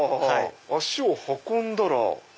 脚を運んだら。